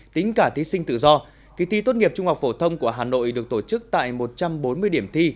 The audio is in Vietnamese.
tính cả thí sinh tự do kỳ thi tốt nghiệp trung học phổ thông của hà nội được tổ chức tại một trăm bốn mươi điểm thi